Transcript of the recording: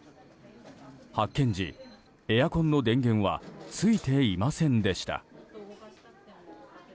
発見時、エアコンの電源はついていませんでした。